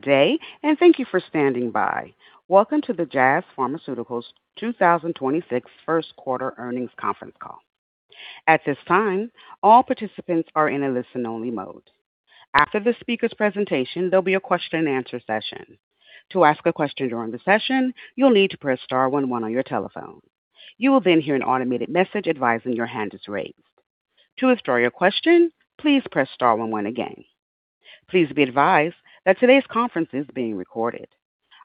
Day, and thank you for standing by. Welcome to the Jazz Pharmaceuticals 2026 First Quarter Earnings Conference Call. At this time, all participants are in a listen-only mode. After the speaker's presentation, there'll be a question and answer session. Please be advised that today's conference is being recorded.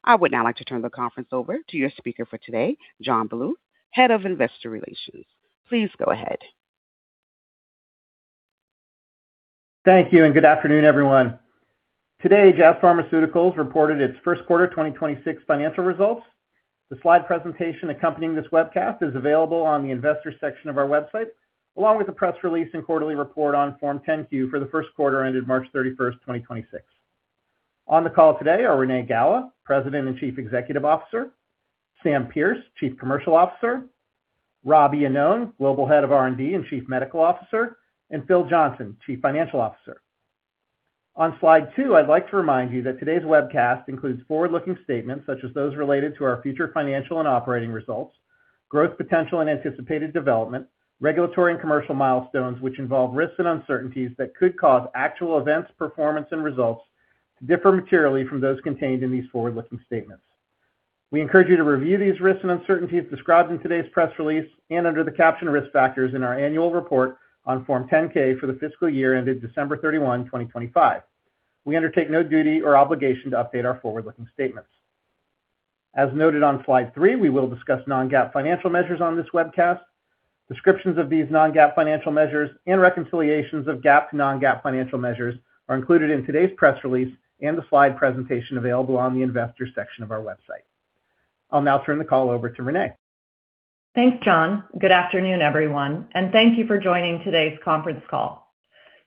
I would now like to turn the conference over to your speaker for today, John Bluth, Head of Investor Relations. Please go ahead. Thank you and good afternoon, everyone. Today, Jazz Pharmaceuticals reported its first quarter 2026 financial results. The slide presentation accompanying this webcast is available on the investors section of our website, along with the press release and quarterly report on Form 10-Q for the first quarter ended March 31st, 2026. On the call today are Renée Gala, President and Chief Executive Officer, Samantha Pearce, Chief Commercial Officer, Robert Iannone, Global Head of R&D and Chief Medical Officer, and Philip Johnson, Chief Financial Officer. On slide two, I'd like to remind you that today's webcast includes forward-looking statements such as those related to our future financial and operating results, growth potential and anticipated development, regulatory and commercial milestones, which involve risks and uncertainties that could cause actual events, performance and results to differ materially from those contained in these forward-looking statements. We encourage you to review these risks and uncertainties described in today's press release and under the caption Risk Factors in our annual report on Form 10-K for the fiscal year ended December 31, 2025. We undertake no duty or obligation to update our forward-looking statements. As noted on slide three, we will discuss non-GAAP financial measures on this webcast. Descriptions of these non-GAAP financial measures and reconciliations of GAAP to non-GAAP financial measures are included in today's press release and the slide presentation available on the investors section of our website. I'll now turn the call over to Renée. Thanks, John. Good afternoon, everyone, and thank you for joining today's conference call.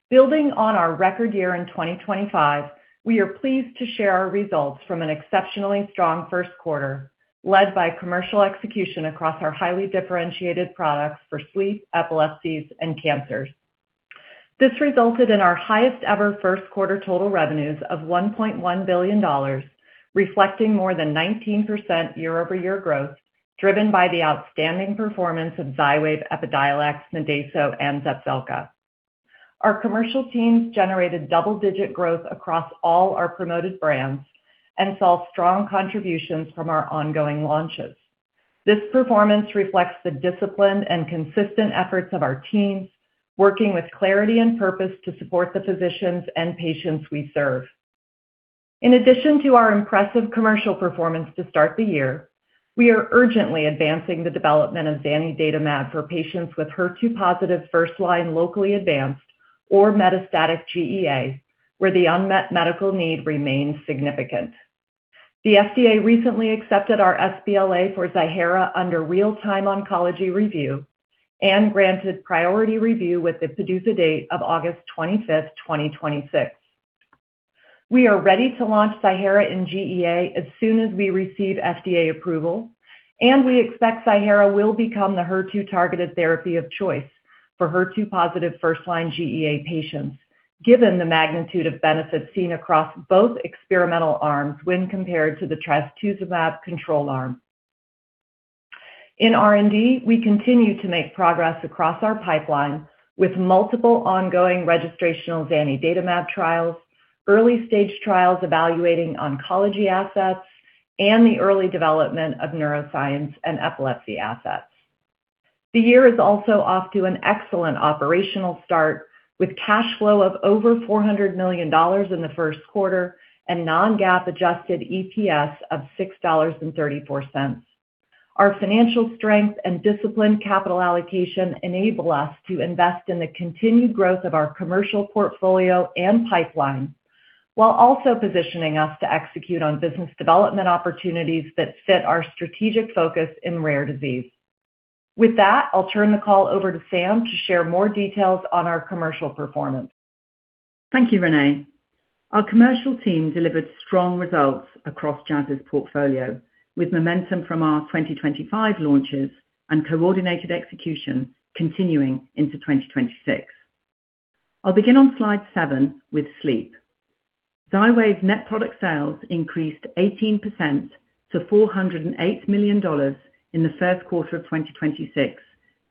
Building on our record year in 2025, we are pleased to share our results from an exceptionally strong first quarter, led by commercial execution across our highly differentiated products for sleep, epilepsies, and cancers. This resulted in our highest ever first quarter total revenues of $1.1 billion, reflecting more than 19% year-over-year growth, driven by the outstanding performance of XYWAV, Epidiolex, Modeyso, and Zepzelca. Our commercial teams generated double-digit growth across all our promoted brands and saw strong contributions from our ongoing launches. This performance reflects the discipline and consistent efforts of our teams working with clarity and purpose to support the physicians and patients we serve. In addition to our impressive commercial performance to start the year, we are urgently advancing the development of zanidatamab for patients with HER2-positive first-line locally advanced or metastatic GEA, where the unmet medical need remains significant. The FDA recently accepted our sBLA for Ziihera under Real-Time Oncology Review and granted priority review with the PDUFA date of August 25th, 2026. We are ready to launch Ziihera in GEA as soon as we receive FDA approval, we expect Ziihera will become the HER2-targeted therapy of choice for HER2-positive first-line GEA patients, given the magnitude of benefits seen across both experimental arms when compared to the trastuzumab control arm. In R&D, we continue to make progress across our pipeline with multiple ongoing registrational zanidatamab trials, early-stage trials evaluating oncology assets, and the early development of neuroscience and epilepsy assets. The year is also off to an excellent operational start with cash flow of over $400 million in the first quarter and non-GAAP adjusted EPS of $6.34. Our financial strength and disciplined capital allocation enable us to invest in the continued growth of our commercial portfolio and pipeline, while also positioning us to execute on business development opportunities that fit our strategic focus in rare disease. With that, I will turn the call over to Sam to share more details on our commercial performance. Thank you, Renée. Our commercial team delivered strong results across Jazz's portfolio, with momentum from our 2025 launches and coordinated execution continuing into 2026. I'll begin on slide seven with sleep. XYWAV's net product sales increased 18% to $408 million in the first quarter of 2026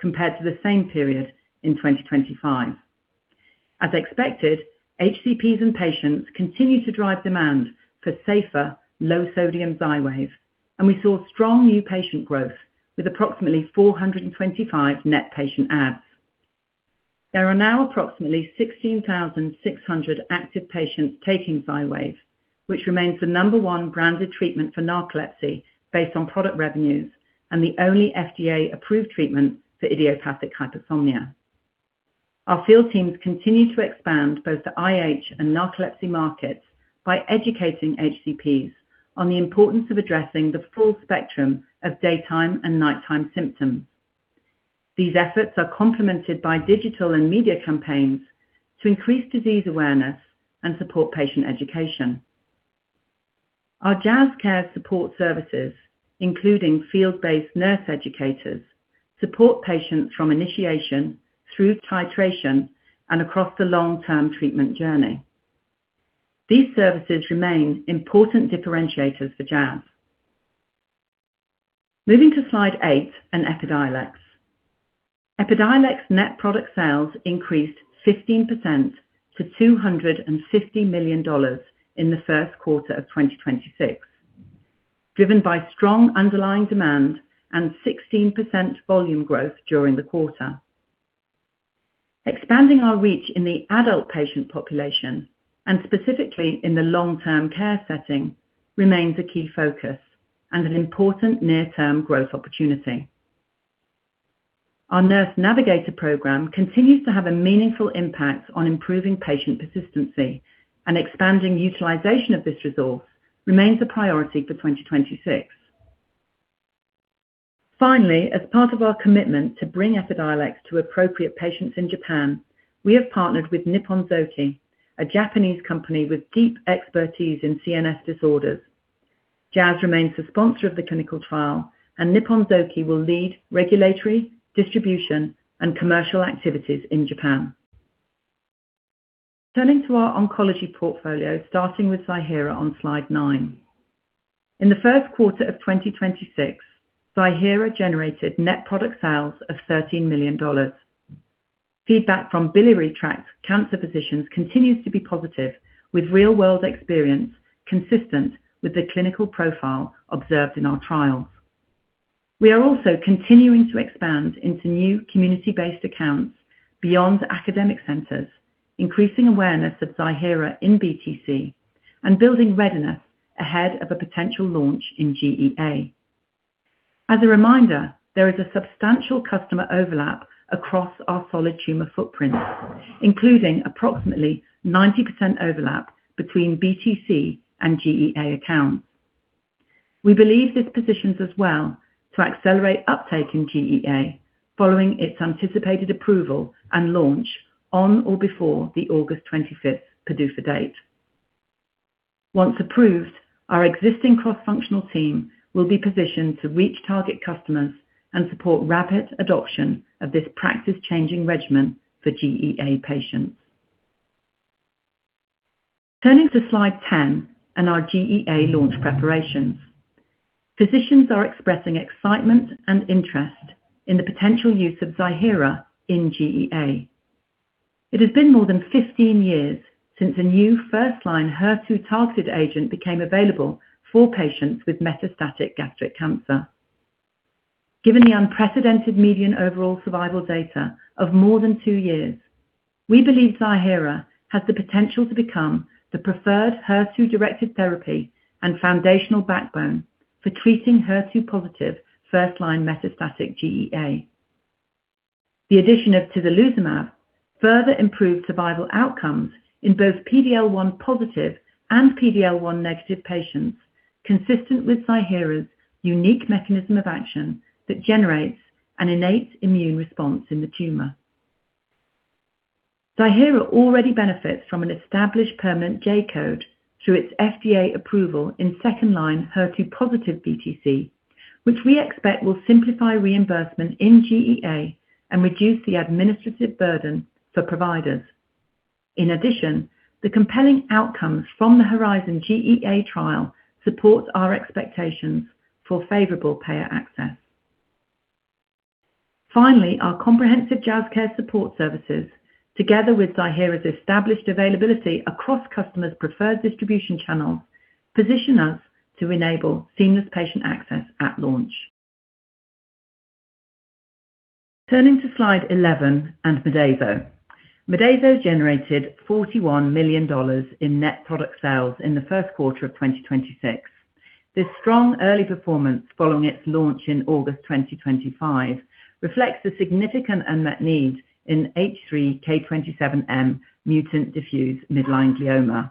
compared to the same period in 2025. As expected, HCPs and patients continue to drive demand for safer low-sodium XYWAV, we saw strong new patient growth with approximately 425 net patient adds. There are now approximately 16,600 active patients taking XYWAV, which remains the number 1 branded treatment for narcolepsy based on product revenues and the only FDA-approved treatment for idiopathic hypersomnia. Our field teams continue to expand both the IH and narcolepsy markets by educating HCPs on the importance of addressing the full spectrum of daytime and nighttime symptoms. These efforts are complemented by digital and media campaigns to increase disease awareness and support patient education. Our JazzCares support services, including field-based nurse educators, support patients from initiation through titration and across the long-term treatment journey. These services remain important differentiators for Jazz. Moving to slide eight and Epidiolex. Epidiolex net product sales increased 15% to $250 million in the first quarter of 2026, driven by strong underlying demand and 16% volume growth during the quarter. Expanding our reach in the adult patient population, and specifically in the long-term care setting, remains a key focus and an important near-term growth opportunity. Our Nurse Navigator program continues to have a meaningful impact on improving patient persistency and expanding utilization of this resource remains a priority for 2026. Finally, as part of our commitment to bring Epidiolex to appropriate patients in Japan, we have partnered with Nippon Zoki, a Japanese company with deep expertise in CNS disorders. Jazz remains the sponsor of the clinical trial. Nippon Zoki will lead regulatory, distribution, and commercial activities in Japan. Turning to our oncology portfolio, starting with Ziihera on slide nine. In the first quarter of 2026, Ziihera generated net product sales of $13 million. Feedback from biliary tract cancer physicians continues to be positive with real-world experience consistent with the clinical profile observed in our trials. We are also continuing to expand into new community-based accounts beyond academic centers, increasing awareness of Ziihera in BTC and building readiness ahead of a potential launch in GEA. As a reminder, there is a substantial customer overlap across our solid tumor footprint, including approximately 90% overlap between BTC and GEA accounts. We believe this positions us well to accelerate uptake in GEA following its anticipated approval and launch on or before the August 25th PDUFA date. Once approved, our existing cross-functional team will be positioned to reach target customers and support rapid adoption of this practice-changing regimen for GEA patients. Turning to slide 10 and our GEA launch preparations. Physicians are expressing excitement and interest in the potential use of Ziihera in GEA. It has been more than 15 years since a new first-line HER2-targeted agent became available for patients with metastatic gastric cancer. Given the unprecedented median overall survival data of more than two years, we believe Ziihera has the potential to become the preferred HER2-directed therapy and foundational backbone for treating HER2-positive first-line metastatic GEA. The addition of tislelizumab further improved survival outcomes in both PD-L1 positive and PD-L1 negative patients, consistent with Ziihera's unique mechanism of action that generates an innate immune response in the tumor. Ziihera already benefits from an established permanent J-code through its FDA approval in second-line HER2-positive BTC, which we expect will simplify reimbursement in GEA and reduce the administrative burden for providers. In addition, the compelling outcomes from the HERIZON-GEA-01 trial supports our expectations for favorable payer access. Finally, our comprehensive JazzCares support services, together with Ziihera's established availability across customers' preferred distribution channels, position us to enable seamless patient access at launch. Turning to slide 11 and Modeyso. Modeyso generated $41 million in net product sales in the first quarter of 2026. This strong early performance following its launch in August 2025 reflects the significant unmet need in H3K27M mutant diffuse midline glioma,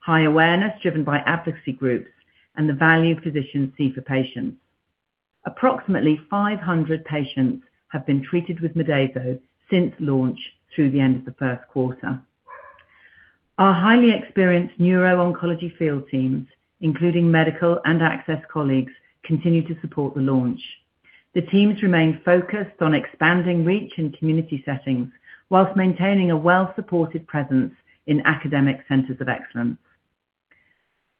high awareness driven by advocacy groups, and the value physicians see for patients. Approximately 500 patients have been treated with Modeyso since launch through the end of the first quarter. Our highly experienced neuro-oncology field teams, including medical and access colleagues, continue to support the launch. The teams remain focused on expanding reach in community settings while maintaining a well-supported presence in academic centers of excellence.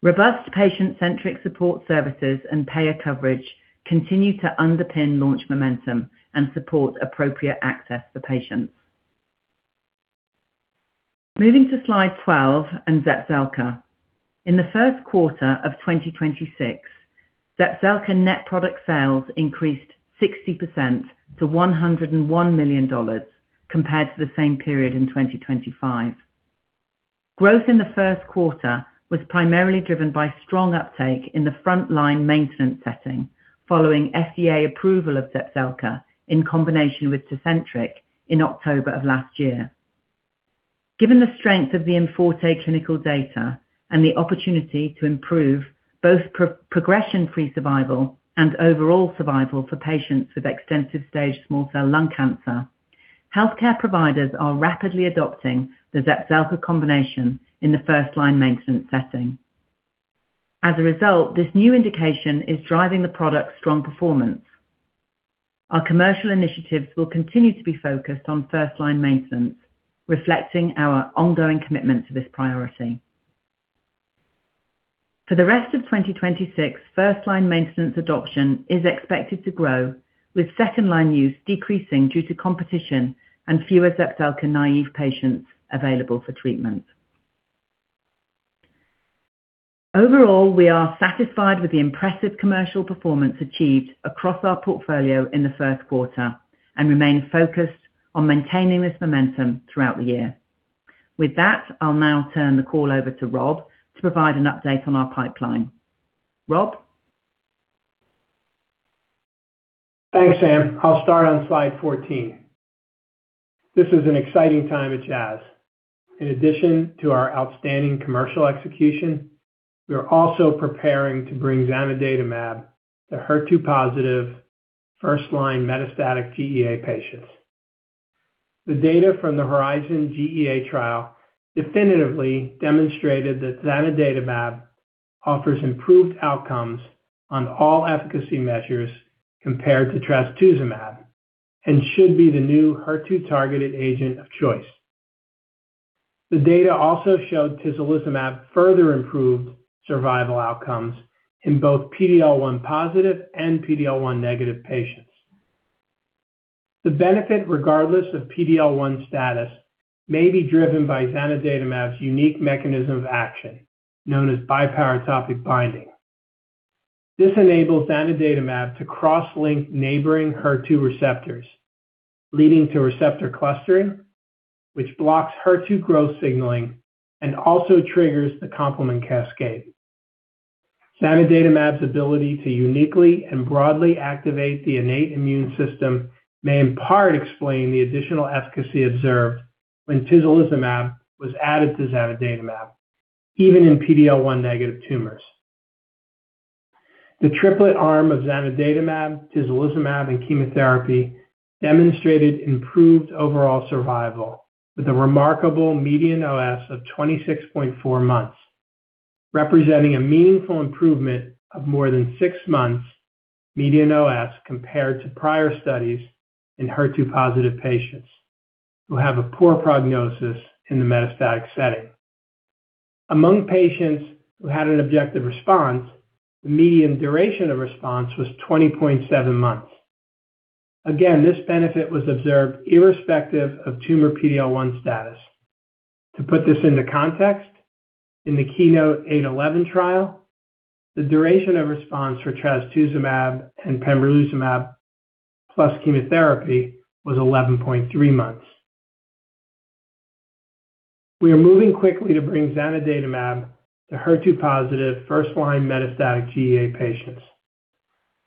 Robust patient-centric support services and payer coverage continue to underpin launch momentum and support appropriate access for patients. Moving to slide 12 and Zepzelca. In the first quarter of 2026, Zepzelca net product sales increased 60% to $101 million compared to the same period in 2025. Growth in the first quarter was primarily driven by strong uptake in the front-line maintenance setting following FDA approval of Zepzelca in combination with Tecfidera in October of last year. Given the strength of the IMforte clinical data and the opportunity to improve both progression-free survival and overall survival for patients with extensive stage small cell lung cancer. Healthcare providers are rapidly adopting the Zepzelca combination in the first-line maintenance setting. This new indication is driving the product's strong performance. Our commercial initiatives will continue to be focused on first-line maintenance, reflecting our ongoing commitment to this priority. For the rest of 2026, first-line maintenance adoption is expected to grow, with second-line use decreasing due to competition and fewer Zepzelca-naive patients available for treatment. Overall, we are satisfied with the impressive commercial performance achieved across our portfolio in the first quarter and remain focused on maintaining this momentum throughout the year. With that, I'll now turn the call over to Rob to provide an update on our pipeline. Rob? Thanks, Sam. I'll start on slide 14. This is an exciting time at Jazz. In addition to our outstanding commercial execution, we are also preparing to bring zanidatamab to HER2-positive first-line metastatic GEA patients. The data from the HERIZON-GEA-01 trial definitively demonstrated that zanidatamab offers improved outcomes on all efficacy measures compared to trastuzumab and should be the new HER2-targeted agent of choice. The data also showed tislelizumab further improved survival outcomes in both PD-L1 positive and PD-L1 negative patients. The benefit, regardless of PD-L1 status, may be driven by zanidatamab's unique mechanism of action, known as biparatopic binding. This enables zanidatamab to cross-link neighboring HER2 receptors, leading to receptor clustering, which blocks HER2 growth signaling and also triggers the complement cascade. Zanidatamab's ability to uniquely and broadly activate the innate immune system may in part explain the additional efficacy observed when tislelizumab was added to zanidatamab, even in PD-L1 negative tumors. The triplet arm of zanidatamab, tislelizumab, and chemotherapy demonstrated improved overall survival with a remarkable median OS of 26.4 months, representing a meaningful improvement of more than six months median OS compared to prior studies in HER2-positive patients who have a poor prognosis in the metastatic setting. Among patients who had an objective response, the median duration of response was 20.7 months. Again, this benefit was observed irrespective of tumor PD-L1 status. To put this into context, in the KEYNOTE-811 trial, the duration of response for trastuzumab and pembrolizumab plus chemotherapy was 11.3 months. We are moving quickly to bring zanidatamab to HER2-positive first-line metastatic GEA patients.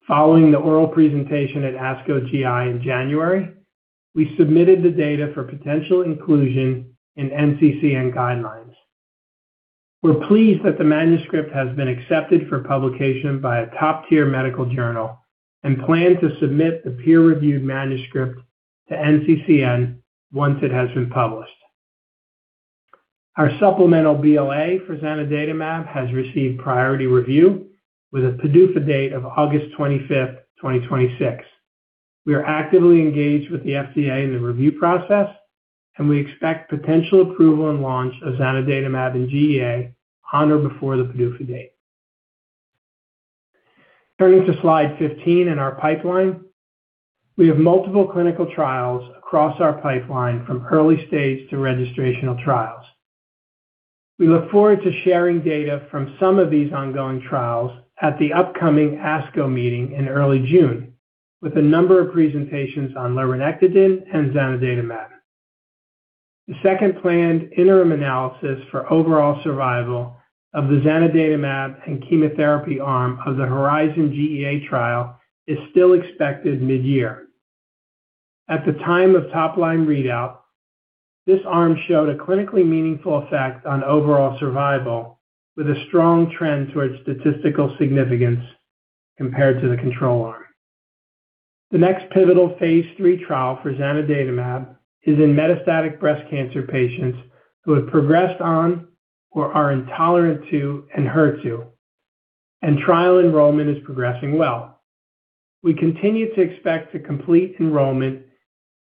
Following the oral presentation at ASCO GI in January, we submitted the data for potential inclusion in NCCN guidelines. We're pleased that the manuscript has been accepted for publication by a top-tier medical journal and plan to submit the peer-reviewed manuscript to NCCN once it has been published. Our supplemental BLA for zanidatamab has received priority review with a PDUFA date of August 25, 2026. We are actively engaged with the FDA in the review process, and we expect potential approval and launch of zanidatamab in GEA on or before the PDUFA date. Turning to slide 15 in our pipeline, we have multiple clinical trials across our pipeline from early stage to registrational trials. We look forward to sharing data from some of these ongoing trials at the upcoming ASCO meeting in early June with a number of presentations on lerodectide and zanidatamab. The second planned interim analysis for overall survival of the zanidatamab and chemotherapy arm of the HERIZON-GEA trial is still expected mid-year. At the time of top-line readout, this arm showed a clinically meaningful effect on overall survival with a strong trend towards statistical significance compared to the control arm. The next pivotal phase III trial for zanidatamab is in metastatic breast cancer patients who have progressed on or are intolerant to ENHERTU. Trial enrollment is progressing well. We continue to expect to complete enrollment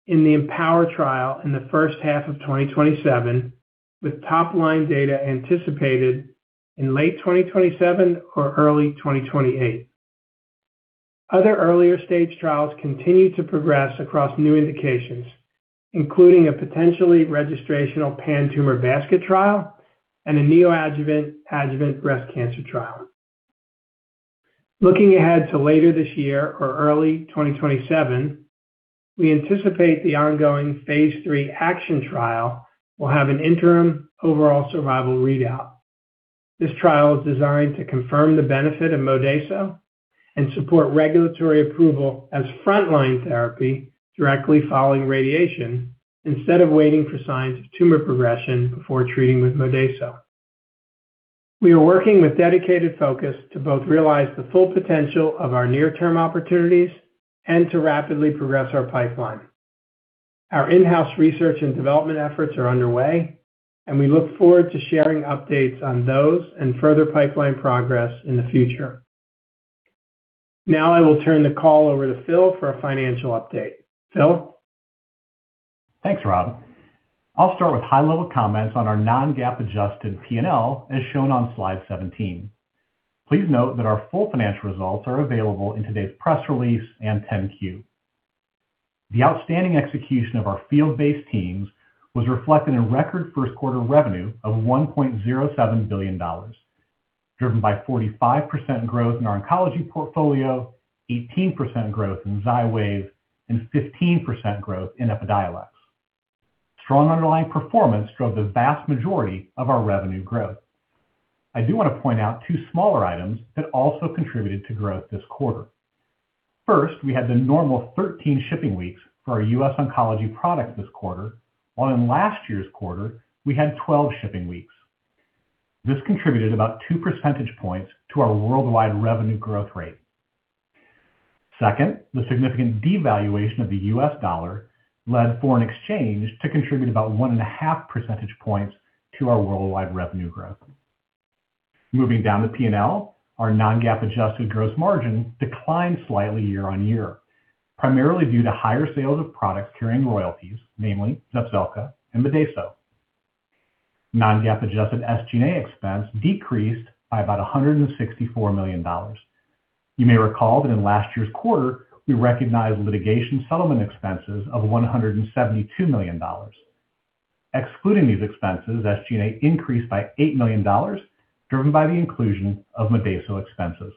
in the EmpowHER trial in the first half of 2027, with top-line data anticipated in late 2027 or early 2028. Other earlier stage trials continue to progress across new indications, including a potentially registrational pan-tumor basket trial and a neoadjuvant/adjuvant breast cancer trial. Looking ahead to later this year or early 2027, we anticipate the ongoing phase III ACTION trial will have an interim overall survival readout. This trial is designed to confirm the benefit of Modeyso and support regulatory approval as frontline therapy directly following radiation instead of waiting for signs of tumor progression before treating with Modeyso. We are working with dedicated focus to both realize the full potential of our near-term opportunities and to rapidly progress our pipeline. Our in-house research and development efforts are underway, and we look forward to sharing updates on those and further pipeline progress in the future. I will turn the call over to Phil for a financial update. Phil? Thanks, Rob. I'll start with high-level comments on our non-GAAP adjusted P&L, as shown on slide 17. Please note that our full financial results are available in today's press release and 10-Q. The outstanding execution of our field-based teams was reflected in record first quarter revenue of $1.07 billion, driven by 45% growth in our oncology portfolio, 18% growth in XYWAV, and 15% growth in Epidiolex. Strong underlying performance drove the vast majority of our revenue growth. I do wanna point out two smaller items that also contributed to growth this quarter. First, we had the normal 13 shipping weeks for our U.S. oncology products this quarter, while in last year's quarter we had 12 shipping weeks. This contributed about 2 percentage points to our worldwide revenue growth rate. Second, the significant devaluation of the US dollar led foreign exchange to contribute about one and a half percentage points to our worldwide revenue growth. Moving down the P&L, our non-GAAP adjusted gross margin declined slightly year-over-year, primarily due to higher sales of products carrying royalties, namely Zepzelca and Modeyso. Non-GAAP adjusted SG&A expense decreased by about $164 million. You may recall that in last year's quarter, we recognized litigation settlement expenses of $172 million. Excluding these expenses, SG&A increased by $8 million, driven by the inclusion of Modeyso expenses.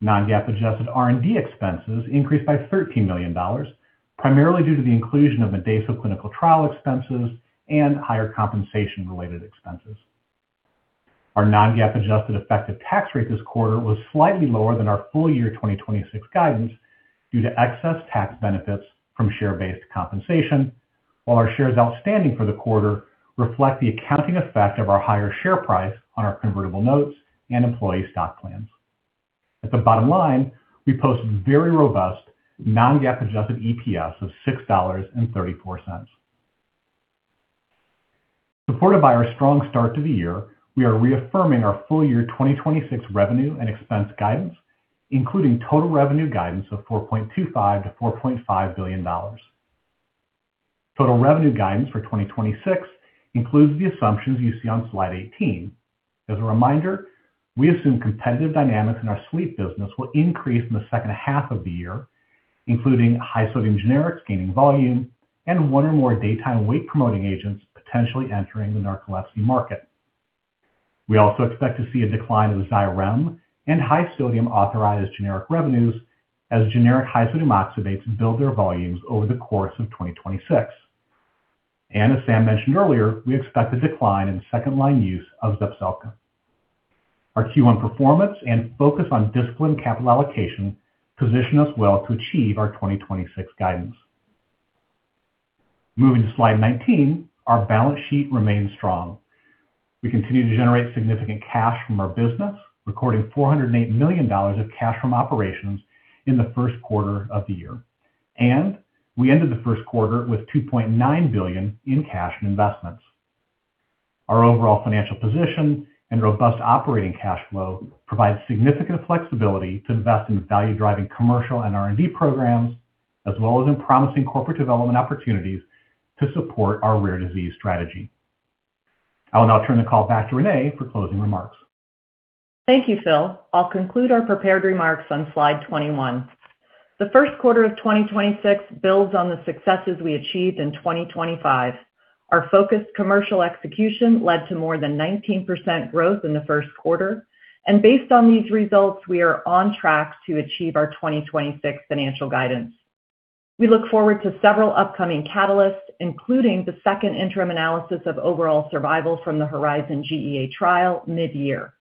Non-GAAP adjusted R&D expenses increased by $13 million, primarily due to the inclusion of Modeyso clinical trial expenses and higher compensation-related expenses. Our non-GAAP adjusted effective tax rate this quarter was slightly lower than our full year 2026 guidance due to excess tax benefits from share-based compensation, while our shares outstanding for the quarter reflect the accounting effect of our higher share price on our convertible notes and employee stock plans. At the bottom line, we posted very robust non-GAAP adjusted EPS of $6.34. Supported by our strong start to the year, we are reaffirming our full year 2026 revenue and expense guidance, including total revenue guidance of $4.25 billion-$4.5 billion. Total revenue guidance for 2026 includes the assumptions you see on slide 18. As a reminder, we assume competitive dynamics in our sleep business will increase in the second half of the year, including high sodium generics gaining volume and one or more daytime wake-promoting agents potentially entering the narcolepsy market. We also expect to see a decline in the XYREM and high sodium authorized generic revenues as generic high sodium oxybates build their volumes over the course of 2026. As Sam mentioned earlier, we expect a decline in second-line use of Zepzelca. Our Q1 performance and focus on disciplined capital allocation position us well to achieve our 2026 guidance. Moving to slide 19, our balance sheet remains strong. We continue to generate significant cash from our business, recording $408 million of cash from operations in the first quarter of the year. We ended the first quarter with $2.9 billion in cash and investments. Our overall financial position and robust operating cash flow provides significant flexibility to invest in value-driving commercial and R&D programs, as well as in promising corporate development opportunities to support our rare disease strategy. I will now turn the call back to Renée for closing remarks. Thank you, Phil. I'll conclude our prepared remarks on slide 21. The first quarter of 2026 builds on the successes we achieved in 2025. Our focused commercial execution led to more than 19% growth in the first quarter. Based on these results, we are on track to achieve our 2026 financial guidance. We look forward to several upcoming catalysts, including the second interim analysis of overall survival from the HERIZON GEA trial mid-year.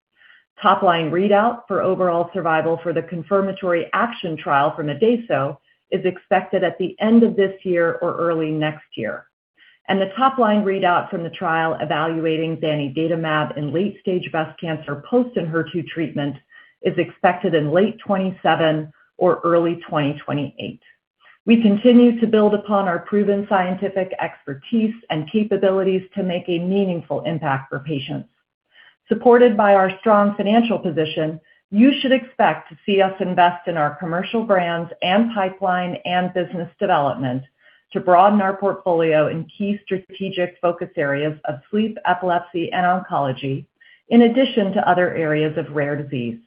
Top line readout for overall survival for the confirmatory ACTION trial for Modeyso is expected at the end of this year or early next year. The top line readout from the trial evaluating zanidatamab in late stage breast cancer post ENHERTU treatment is expected in late 2027 or early 2028. We continue to build upon our proven scientific expertise and capabilities to make a meaningful impact for patients. Supported by our strong financial position, you should expect to see us invest in our commercial brands and pipeline and business development to broaden our portfolio in key strategic focus areas of sleep, epilepsy, and oncology, in addition to other areas of rare disease.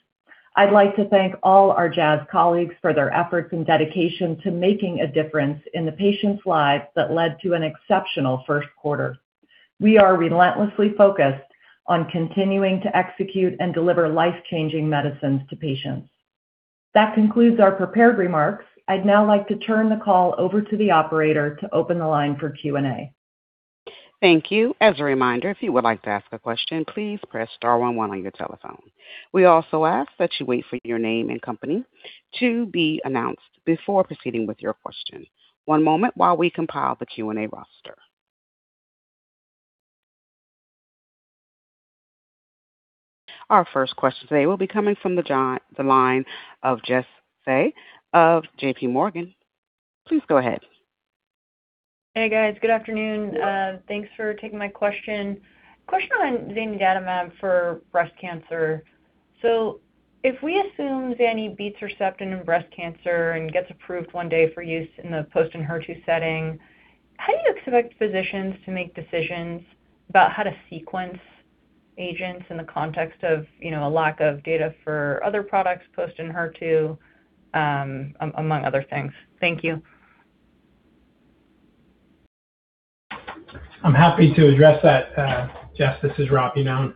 I'd like to thank all our Jazz colleagues for their efforts and dedication to making a difference in the patients' lives that led to an exceptional first quarter. We are relentlessly focused on continuing to execute and deliver life-changing medicines to patients. That concludes our prepared remarks. I'd now like to turn the call over to the operator to open the line for Q&A. Thank you. As a reminder, if you would like to ask a question, please press star one one on your telephone. We also ask that you wait for your name and company to be announced before proceeding with your question. One moment while we compile the Q&A roster. Our first question today will be coming from the line of Jessica Fye of JPMorgan. Please go ahead. Hey, guys. Good afternoon. Thanks for taking my question. Question on zanidatamab for breast cancer. If we assume zani beats Herceptin in breast cancer and gets approved one day for use in the post-ENHERTU setting, how do you expect physicians to make decisions about how to sequence agents in the context of, you know, a lack of data for other products post-ENHERTU, among other things? Thank you. I'm happy to address that, Jess. This is Rob Iannone.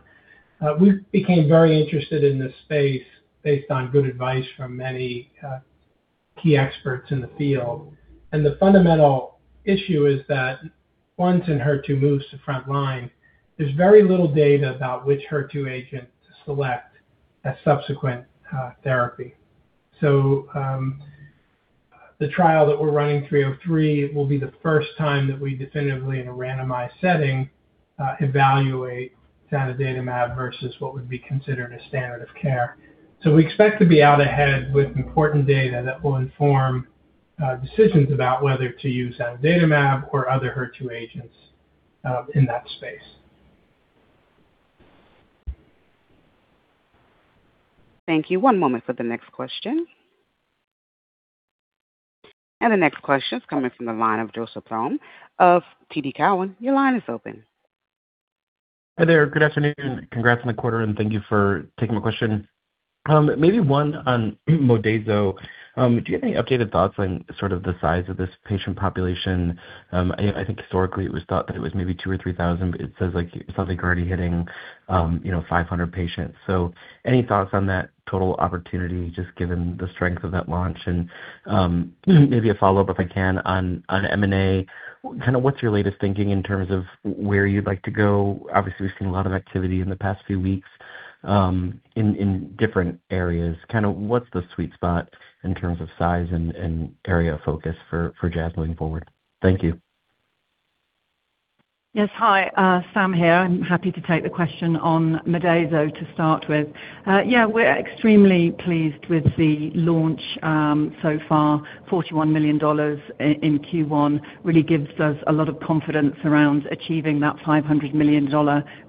We became very interested in this space based on good advice from many key experts in the field. The fundamental issue is that once an HER2 moves to front line, there's very little data about which HER2 agent to select as subsequent therapy. The trial that we're running, 303, will be the first time that we definitively in a randomized setting evaluate zanidatamab versus what would be considered a standard of care. We expect to be out ahead with important data that will inform decisions about whether to use zanidatamab or other HER2 agents in that space. Thank you. One moment for the next question. The next question is coming from the line of Joseph Thome of TD Cowen. Your line is open. Hi there. Good afternoon. Congrats on the quarter, and thank you for taking my question. Maybe one on Modeyso. Do you have any updated thoughts on sort of the size of this patient population? I think historically it was thought that it was maybe 2,000 or 3,000, but it says, like, it sounds like you're already hitting, you know, 500 patients. Any thoughts on that total opportunity just given the strength of that launch? Maybe a follow-up, if I can, on M&A. Kinda what's your latest thinking in terms of where you'd like to go? Obviously, we've seen a lot of activity in the past few weeks, in different areas. Kinda what's the sweet spot in terms of size and area of focus for Jazz going forward? Thank you. Yes. Hi, Sam here. I'm happy to take the question on Modeyso to start with. Yeah, we're extremely pleased with the launch. So far, $41 million in Q1 really gives us a lot of confidence around achieving that $500 million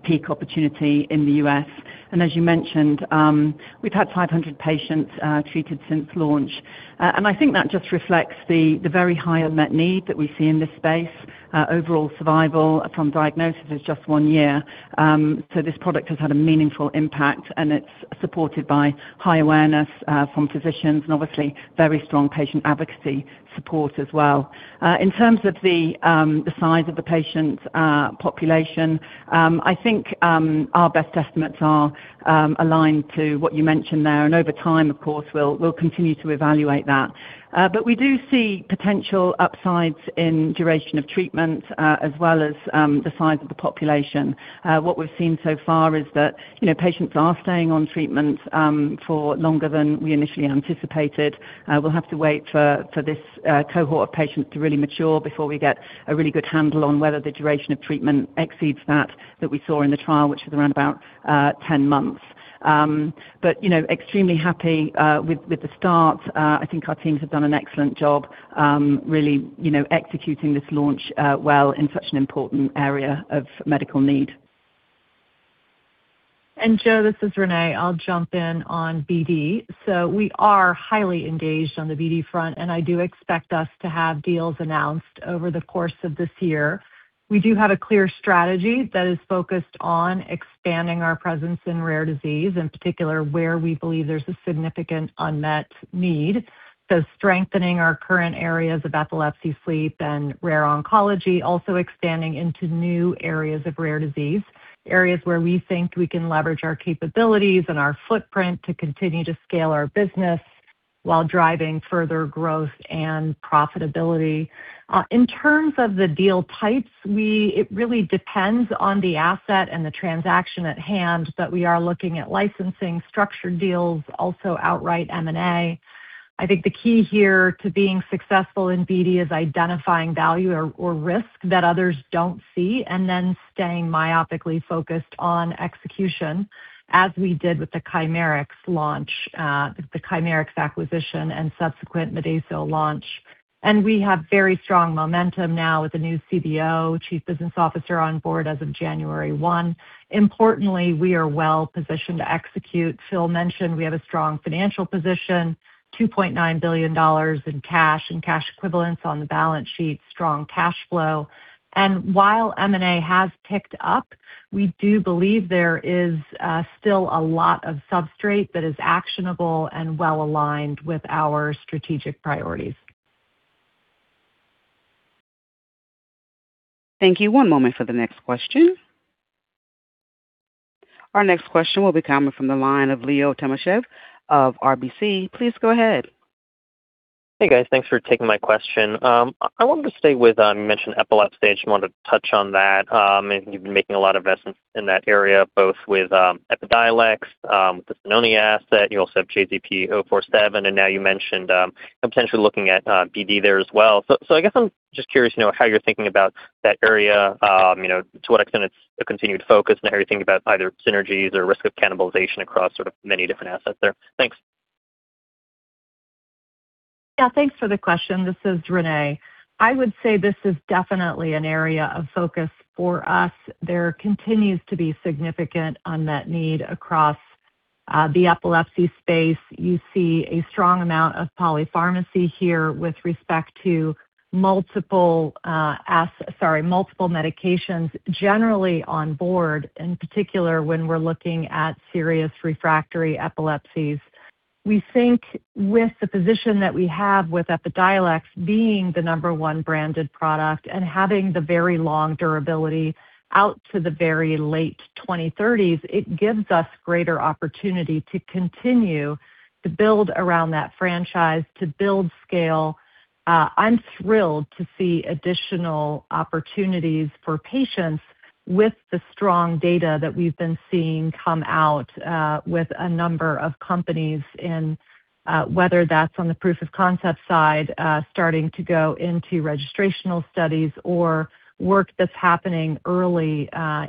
peak opportunity in the U.S. As you mentioned, we've had 500 patients treated since launch. I think that just reflects the very high unmet need that we see in this space. Overall survival from diagnosis is just one year. This product has had a meaningful impact, and it's supported by high awareness from physicians and obviously very strong patient advocacy support as well. In terms of the size of the patient population, I think our best estimates are aligned to what you mentioned there. Over time, of course, we'll continue to evaluate that. We do see potential upsides in duration of treatment, as well as the size of the population. What we've seen so far is that, you know, patients are staying on treatment for longer than we initially anticipated. We'll have to wait for this cohort of patients to really mature before we get a really good handle on whether the duration of treatment exceeds that we saw in the trial, which was around about 10 months. You know, extremely happy with the start. I think our teams have done an excellent job, really, you know, executing this launch well in such an important area of medical need. Joseph, this is Renée. I'll jump in on BD. We are highly engaged on the BD front, and I do expect us to have deals announced over the course of this year. We do have a clear strategy that is focused on expanding our presence in rare disease, in particular, where we believe there's a significant unmet need. Strengthening our current areas of epilepsy, sleep, and rare oncology, also expanding into new areas of rare disease. Areas where we think we can leverage our capabilities and our footprint to continue to scale our business while driving further growth and profitability. In terms of the deal types, it really depends on the asset and the transaction at hand, but we are looking at licensing structured deals, also outright M&A. I think the key here to being successful in BD is identifying value or risk that others don't see and then staying myopically focused on execution, as we did with the Chimerix launch, the Chimerix acquisition and subsequent Modeyso launch. We have very strong momentum now with the new CBO, Chief Business Officer on board as of January 1. Importantly, we are well positioned to execute. Phil mentioned we have a strong financial position, $2.9 billion in cash and cash equivalents on the balance sheet, strong cash flow. While M&A has picked up, we do believe there is still a lot of substrate that is actionable and well-aligned with our strategic priorities. Thank you. One moment for the next question. Our next question will be coming from the line of Leonid Timashev of RBC. Please go ahead. Hey, guys. Thanks for taking my question. I wanted to stay with, you mentioned epilepsy. I just wanted to touch on that. You've been making a lot of investments in that area, both with Epidiolex, the Cenoni asset. You also have JZP047, and now you mentioned, potentially looking at BD there as well. I guess I'm just curious, you know, how you're thinking about that area. You know, to what extent it's a continued focus and how you think about either synergies or risk of cannibalization across sort of many different assets there. Thanks. Yeah, thanks for the question. This is Renée. I would say this is definitely an area of focus for us. There continues to be significant unmet need across the epilepsy space. You see a strong amount of polypharmacy here with respect to multiple medications generally on board, in particular, when we're looking at serious refractory epilepsies. We think with the position that we have with Epidiolex being the number one branded product and having the very long durability out to the very late 2030s, it gives us greater opportunity to continue to build around that franchise, to build scale. I'm thrilled to see additional opportunities for patients with the strong data that we've been seeing come out with a number of companies in whether that's on the proof of concept side, starting to go into registrational studies or work that's happening early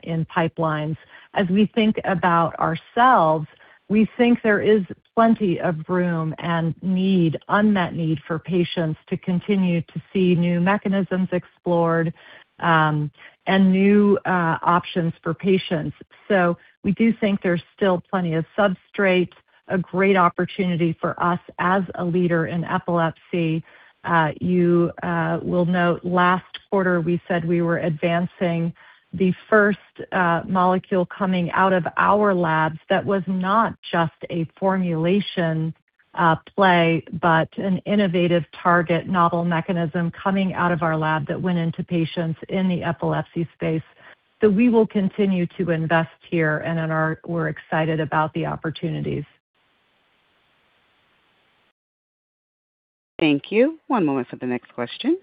in pipelines. As we think about ourselves, we think there is plenty of room and need, unmet need for patients to continue to see new mechanisms explored, and new options for patients. We do think there's still plenty of substrates, a great opportunity for us as a leader in epilepsy. You will note last quarter we said we were advancing the first molecule coming out of our labs. That was not just a formulation play, but an innovative target, novel mechanism coming out of our lab that went into patients in the epilepsy space. We will continue to invest here, and we're excited about the opportunities. Thank you. One moment for the next question.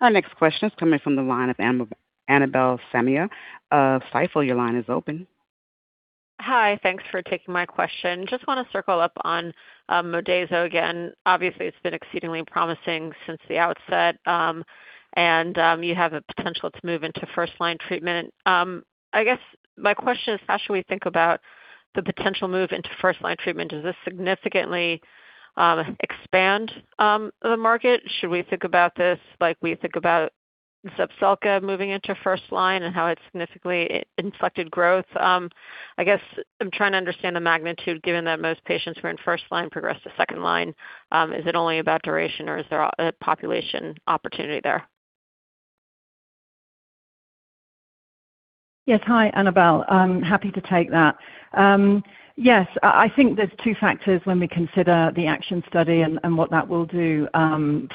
Our next question is coming from the line of Annabel Samimy of Stifel. Your line is open. Hi. Thanks for taking my question. Just wanna circle up on Modeyso again. Obviously, it's been exceedingly promising since the outset, and you have a potential to move into first-line treatment. I guess my question is, how should we think about the potential move into first-line treatment? Does this significantly expand the market? Should we think about this like we think about Zepzelca moving into first line and how it significantly inflected growth? I guess I'm trying to understand the magnitude given that most patients who are in first line progress to second line. Is it only about duration or is there a population opportunity there? Yes. Hi, Annabel. I'm happy to take that. Yes, I think there's two factors when we consider the ACTION study and what that will do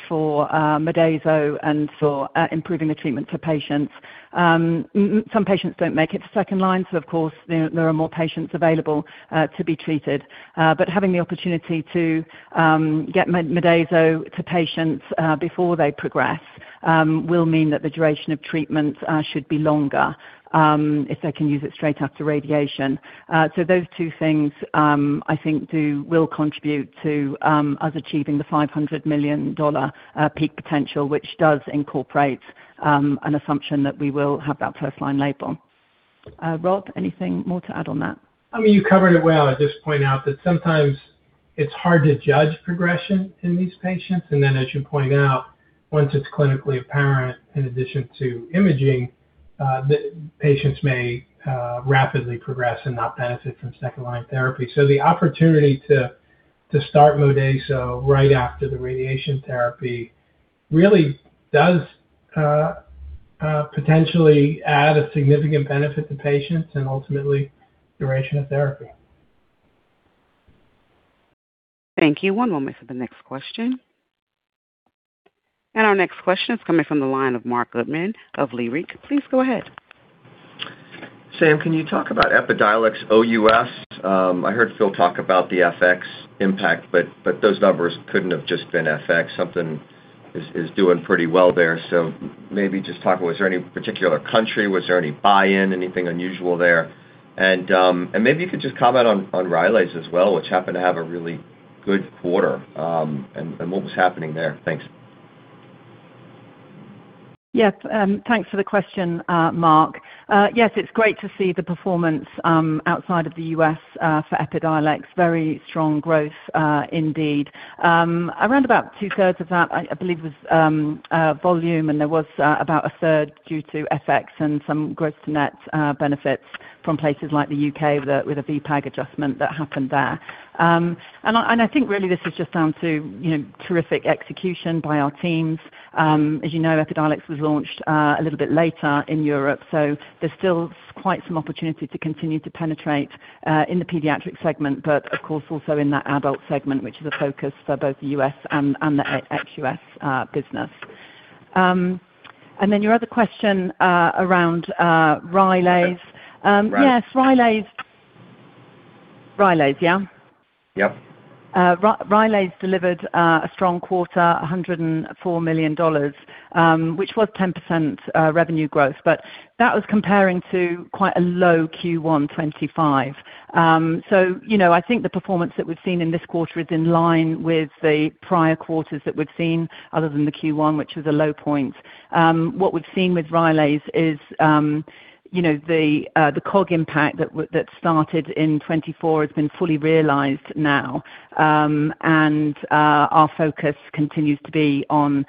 for Modeyso and for improving the treatment for patients. Some patients don't make it to second line, of course there are more patients available to be treated. Having the opportunity to get Modeyso to patients before they progress will mean that the duration of treatment should be longer if they can use it straight after radiation. Those two things, I think will contribute to us achieving the $500 million peak potential, which does incorporate an assumption that we will have that first-line label. Rob, anything more to add on that? I mean, you covered it well. I just point out that sometimes it's hard to judge progression in these patients. As you point out, once it's clinically apparent, in addition to imaging, the patients may rapidly progress and not benefit from second-line therapy. The opportunity to start Modeyso right after the radiation therapy really does potentially add a significant benefit to patients and ultimately duration of therapy. Thank you. One moment for the next question. Our next question is coming from the line of Marc Goodman of Leerink. Please go ahead. Sam, can you talk about Epidiolex OUS? I heard Phil talk about the FX impact, but those numbers couldn't have just been FX. Something is doing pretty well there. Maybe just talk, was there any particular country? Was there any buy-in, anything unusual there? Maybe you could just comment on Rylaze as well, which happened to have a really good quarter, and what was happening there. Thanks. Yeah. Thanks for the question, Marc. Yes, it's great to see the performance outside of the U.S. for Epidiolex. Very strong growth indeed. Around about 2/3 of that, I believe, was volume, and there was about 1/3 due to FX and some gross net benefits from places like the U.K. with a VPAS adjustment that happened there. I think really this is just down to, you know, terrific execution by our teams. As you know, Epidiolex was launched a little bit later in Europe, there's still quite some opportunity to continue to penetrate in the pediatric segment, of course, also in that adult segment, which is a focus for both the U.S. and the ex-US business. Your other question around Rylaze. Yes, Rylaze, yeah? Yep. Rylaze delivered a strong quarter, $104 million, which was 10% revenue growth. That was comparing to quite a low Q1 2025. You know, I think the performance that we've seen in this quarter is in line with the prior quarters that we've seen other than the Q1, which was a low point. What we've seen with Rylaze is, you know, the COGS impact that started in 2024 has been fully realized now. Our focus continues to be on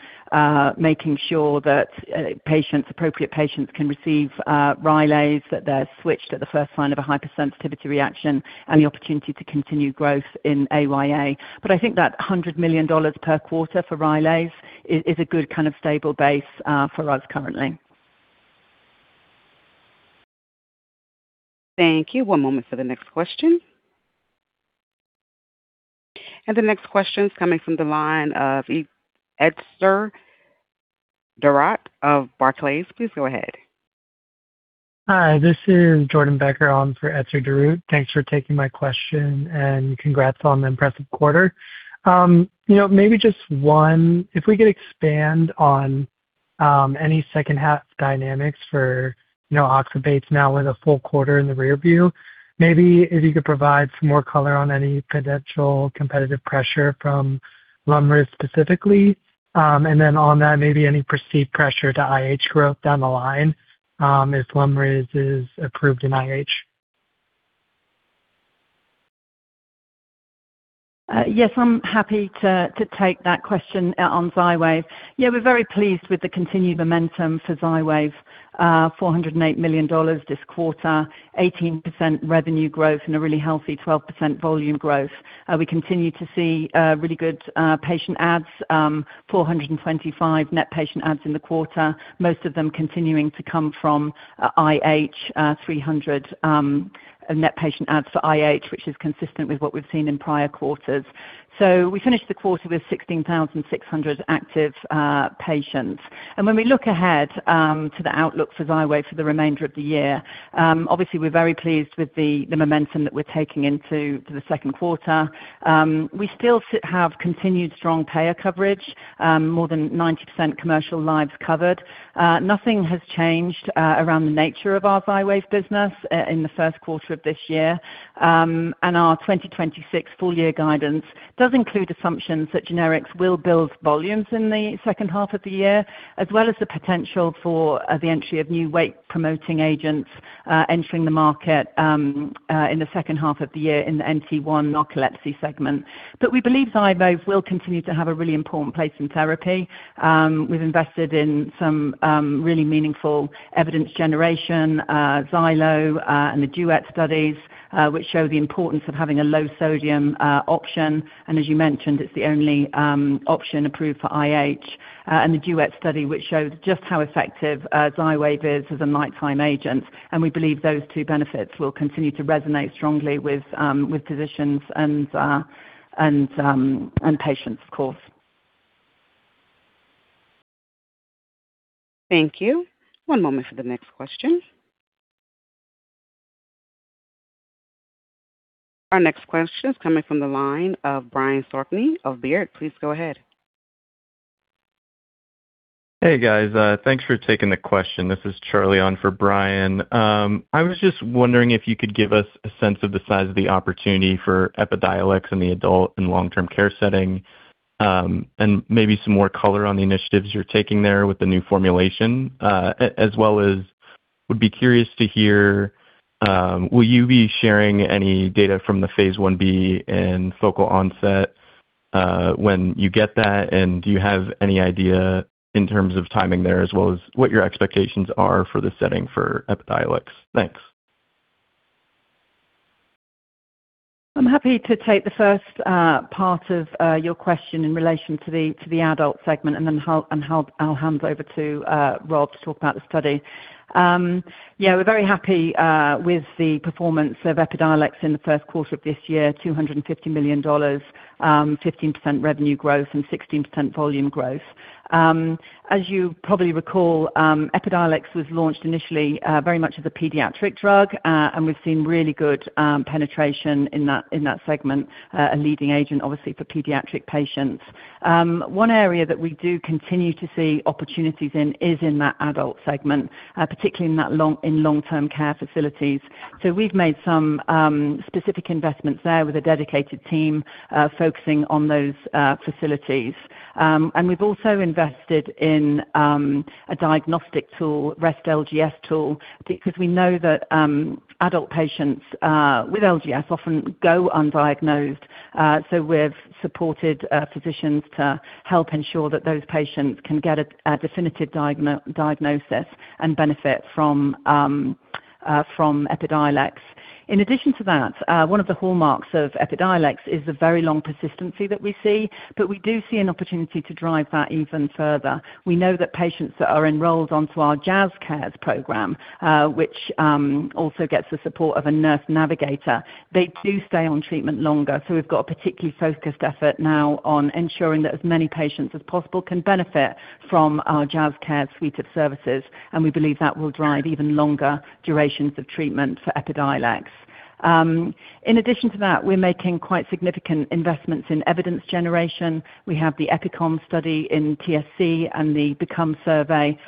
making sure that patients, appropriate patients can receive Rylaze, that they're switched at the first sign of a hypersensitivity reaction, and the opportunity to continue growth in AYA. I think that $100 million per quarter for Rylaze is a good kind of stable base for us currently. Thank you. One moment for the next question. The next question is coming from the line of Esther Rajavelu of Barclays. Please go ahead. Hi, this is Jordan Becker on for Esther Rajavelu. Thanks for taking my question, and congrats on the impressive quarter. You know, maybe just one. If we could expand on any second half dynamics for, you know, Oxabates now with a full quarter in the rearview. Maybe if you could provide some more color on any potential competitive pressure from Lumryz specifically. Then on that, maybe any perceived pressure to IH growth down the line, if Lumryz is approved in IH. Yes, I'm happy to take that question on XYWAV. We're very pleased with the continued momentum for XYWAV. $408 million this quarter. 18% revenue growth and a really healthy 12% volume growth. We continue to see really good patient adds. 425 net patient adds in the quarter, most of them continuing to come from IH. 300 net patient adds for IH, which is consistent with what we've seen in prior quarters. We finished the quarter with 16,600 active patients. When we look ahead to the outlook for XYWAV for the remainder of the year, obviously, we're very pleased with the momentum that we're taking into the second quarter. We still have continued strong payer coverage, more than 90% commercial lives covered. Nothing has changed around the nature of our XYWAV business in the first quarter of this year. Our 2026 full year guidance does include assumptions that generics will build volumes in the second half of the year, as well as the potential for the entry of new wake-promoting agents entering the market in the second half of the year in the NT1 narcolepsy segment. We believe XYWAV will continue to have a really important place in therapy. We've invested in some really meaningful evidence generation, XYLO and the DUET studies, which show the importance of having a low sodium option. As you mentioned, it's the only option approved for IH. The DUET study, which shows just how effective XYWAV is as a nighttime agent. We believe those two benefits will continue to resonate strongly with physicians and patients, of course. Thank you. One moment for the next question. Our next question is coming from the line of Brian Skorney of Baird. Please go ahead. Hey, guys. Thanks for taking the question. This is Charlie on for Brian. I was just wondering if you could give us a sense of the size of the opportunity for Epidiolex in the adult and long-term care setting, and maybe some more color on the initiatives you're taking there with the new formulation. As well as would be curious to hear, will you be sharing any data from the phase I-B and focal onset, when you get that? Do you have any idea in terms of timing there as well as what your expectations are for the setting for Epidiolex? Thanks. I'm happy to take the first part of your question in relation to the, to the adult segment, and then I'll hand over to Rob to talk about the study. Yeah, we're very happy with the performance of Epidiolex in the first quarter of this year. $250 million, 15% revenue growth and 16% volume growth. As you probably recall, Epidiolex was launched initially very much as a pediatric drug, and we've seen really good penetration in that segment. A leading agent, obviously, for pediatric patients. One area that we do continue to see opportunities in is in that adult segment, particularly in long-term care facilities. We've made some specific investments there with a dedicated team focusing on those facilities. We've also invested in a diagnostic tool, REST-LGS tool, because we know that adult patients with LGS often go undiagnosed. We've supported physicians to help ensure that those patients can get a definitive diagnosis and benefit from Epidiolex. In addition to that, one of the hallmarks of Epidiolex is the very long persistency that we see, but we do see an opportunity to drive that even further. We know that patients that are enrolled onto our JazzCares program, which also gets the support of a nurse navigator. They do stay on treatment longer, so we've got a particularly focused effort now on ensuring that as many patients as possible can benefit from our JazzCares suite of services, and we believe that will drive even longer durations of treatment for Epidiolex. In addition to that, we're making quite significant investments in evidence generation. We have the EpiCom study in TSC and the BECOME survey,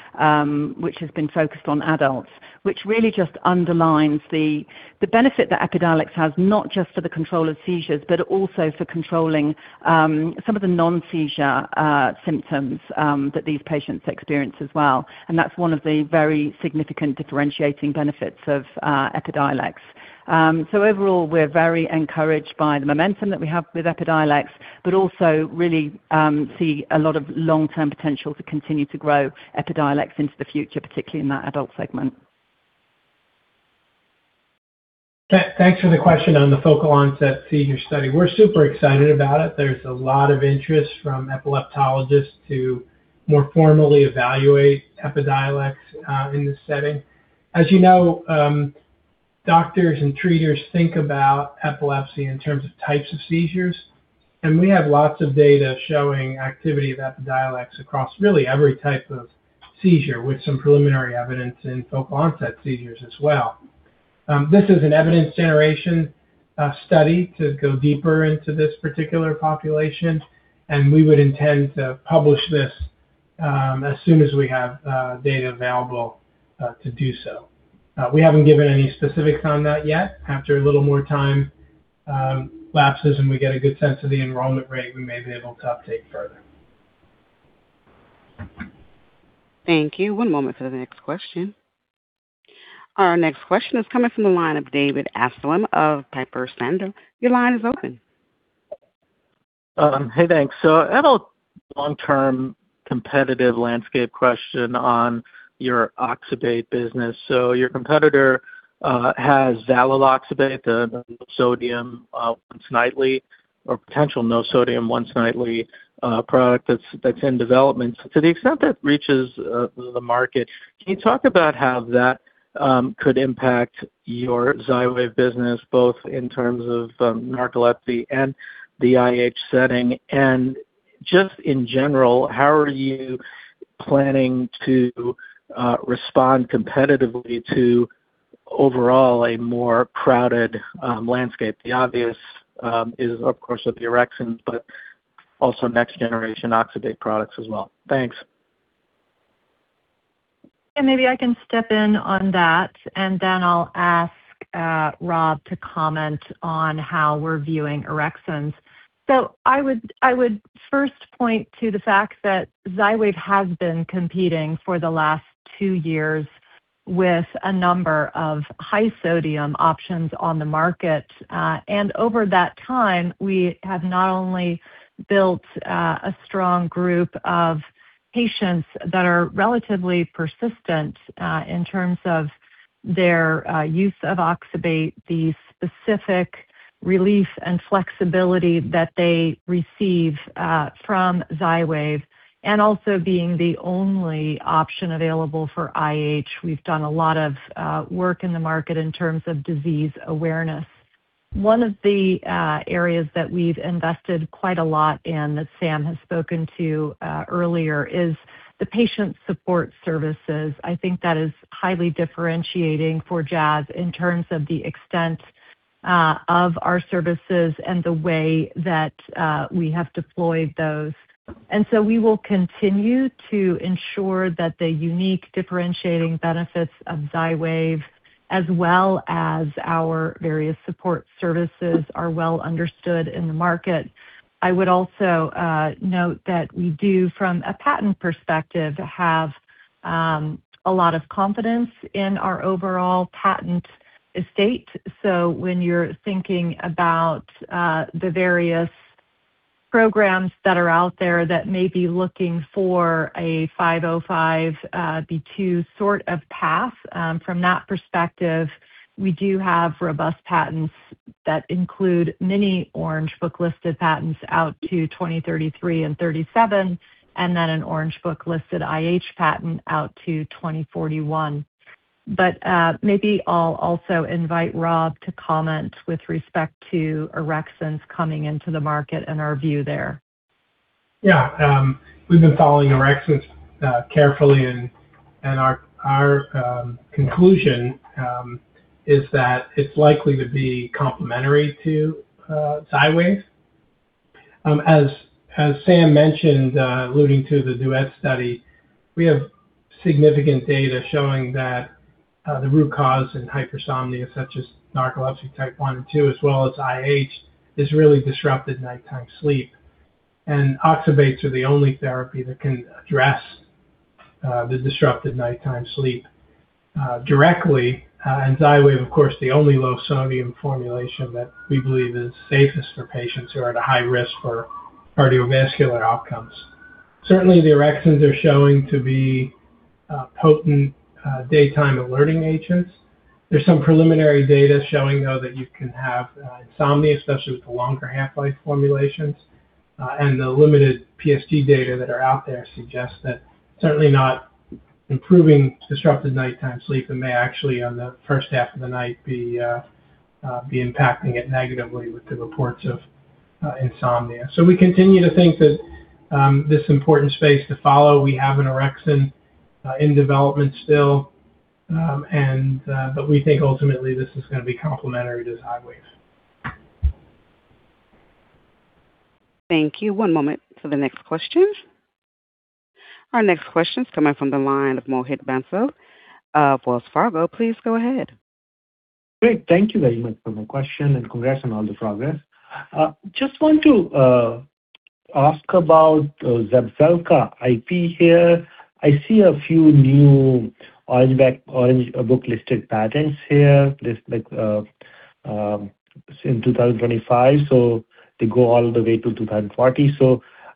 which has been focused on adults, which really just underlines the benefit that Epidiolex has, not just for the control of seizures, but also for controlling some of the non-seizure symptoms that these patients experience as well. That's one of the very significant differentiating benefits of Epidiolex. Overall, we're very encouraged by the momentum that we have with Epidiolex, but also really see a lot of long-term potential to continue to grow Epidiolex into the future, particularly in that adult segment. Thanks for the question on the focal-onset seizure study. We're super excited about it. There's a lot of interest from epileptologists to more formally evaluate Epidiolex in this setting. As you know, doctors and treaters think about epilepsy in terms of types of seizures, and we have lots of data showing activity of Epidiolex across really every type of seizure, with some preliminary evidence in focal-onset seizures as well. This is an evidence generation study to go deeper into this particular population, and we would intend to publish this as soon as we have data available to do so. We haven't given any specifics on that yet. After a little more time lapses and we get a good sense of the enrollment rate, we may be able to update further. Thank you. One moment for the next question. Our next question is coming from the line of David Amsellem of Piper Sandler. Your line is open. Hey, thanks. I have a long-term competitive landscape question on your oxybate business. Your competitor has xyloxybate, the low sodium once nightly or potential low sodium once nightly product that's in development. To the extent that reaches the market, can you talk about how that could impact your XYWAV business, both in terms of narcolepsy and the IH setting? Just in general, how are you planning to respond competitively to overall a more crowded landscape? The obvious is of course with the Orexin, but also next generation oxybate products as well. Thanks. Maybe I can step in on that, and then I'll ask Rob to comment on how we're viewing Orexins. I would first point to the fact that XYWAV has been competing for the last two years with a number of high sodium options on the market. Over that time, we have not only built a strong group of patients that are relatively persistent in terms of their use of oxybate, the specific relief and flexibility that they receive from XYWAV, and also being the only option available for IH. We've done a lot of work in the market in terms of disease awareness. One of the areas that we've invested quite a lot in, that Sam has spoken to earlier, is the patient support services. I think that is highly differentiating for Jazz in terms of the extent of our services and the way that we have deployed those. We will continue to ensure that the unique differentiating benefits of XYWAV, as well as our various support services are well understood in the market. I would also note that we do, from a patent perspective, have a lot of confidence in our overall patent estate. When you're thinking about the various programs that are out there that may be looking for a 505(b)(2) sort of path, from that perspective, we do have robust patents that include many Orange Book listed patents out to 2033 and 2037, and then an Orange Book listed IH patent out to 2041. Maybe I'll also invite Rob to comment with respect to Orexins coming into the market and our view there. Yeah. We've been following Orexins carefully and our conclusion is that it's likely to be complementary to XYWAV. As Sam mentioned, alluding to the DUET study, we have significant data showing that the root cause in hypersomnia, such as narcolepsy type 1 and 2, as well as IH, is really disrupted nighttime sleep. Oxybates are the only therapy that can address the disrupted nighttime sleep directly. XYWAV, of course, the only low-sodium formulation that we believe is safest for patients who are at a high risk for cardiovascular outcomes. Certainly, the Orexins are showing to be potent daytime alerting agents. There's some preliminary data showing, though, that you can have insomnia, especially with the longer half-life formulations. The limited PSG data that are out there suggest that certainly not improving disrupted nighttime sleep and may actually on the first half of the night be impacting it negatively with the reports of insomnia. We continue to think that this important space to follow, we have an Orexin In development still. We think ultimately this is gonna be complementary to XYWAV. Thank you. One moment for the next question. Our next question is coming from the line of Mohit Bansal of Wells Fargo. Please go ahead. Great. Thank you very much for the question, and congrats on all the progress. Just want to ask about Zepzelca IP here. I see a few new Orange Book-listed patents here, listed in 2025, so they go all the way to 2040.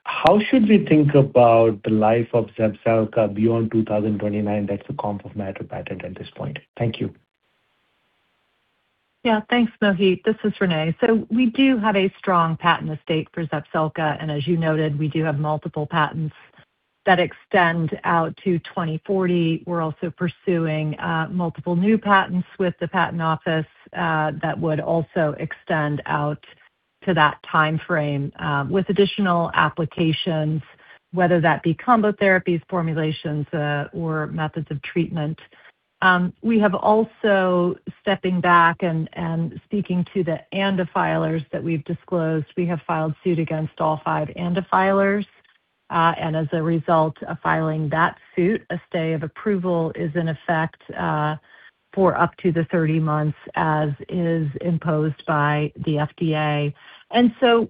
How should we think about the life of Zepzelca beyond 2029? That's the comp of matter patent at this point. Thank you. Yeah. Thanks, Mohit. This is Renée. We do have a strong patent estate for Zepzelca, and as you noted, we do have multiple patents that extend out to 2040. We're also pursuing multiple new patents with the patent office that would also extend out to that timeframe, with additional applications, whether that be combo therapies, formulations, or methods of treatment. We have also, stepping back and speaking to the ANDA filers that we've disclosed, we have filed suit against all 5 ANDA filers. As a result of filing that suit, a stay of approval is in effect for up to the 30 months as is imposed by the FDA.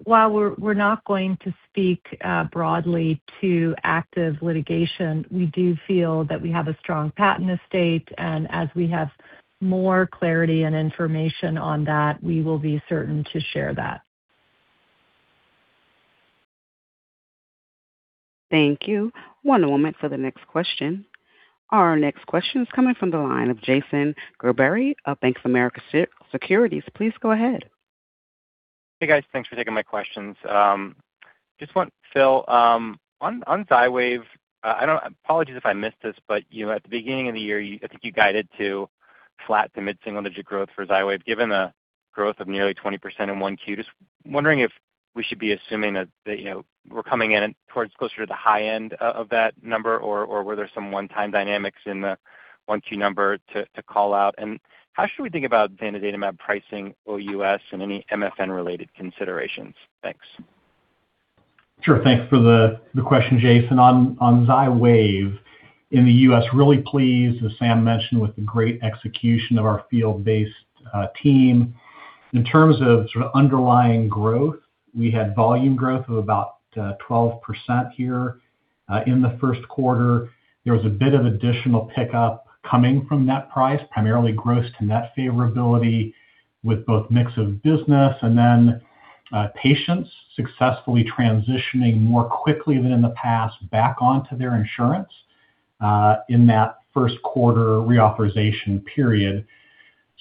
While we're not going to speak broadly to active litigation, we do feel that we have a strong patent estate, and as we have more clarity and information on that, we will be certain to share that. Thank you. One moment for the next question. Our next question is coming from the line of Jason Gerberry of Bank of America Securities. Please go ahead. Hey, guys. Thanks for taking my questions. Just one, Phil, on XYWAV, Apologies if I missed this, but, you know, at the beginning of the year, I think you guided to flat to mid-single-digit growth for XYWAV. Given the growth of nearly 20% in 1Q, just wondering if we should be assuming that, you know, we're coming in towards closer to the high end of that number, or were there some one-time dynamics in the 1Q number to call out? How should we think about zanidatamab pricing OUS and any MFN-related considerations? Thanks. Sure. Thanks for the question, Jason. On XYWAV, in the U.S., really pleased, as Sam mentioned, with the great execution of our field-based team. In terms of sort of underlying growth, we had volume growth of about 12% here in the first quarter. There was a bit of additional pickup coming from net price, primarily gross to net favorability with both mix of business and then patients successfully transitioning more quickly than in the past back onto their insurance in that first quarter reauthorization period.